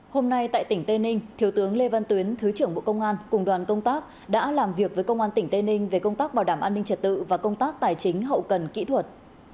hôm nay tại tỉnh tây ninh thiếu tướng lê văn tuyến thứ trưởng bộ công an cùng đoàn công tác đã làm việc với công an tỉnh tây ninh về công tác bảo đảm an ninh trật tự và công tác tài chính hậu cần kỹ thuật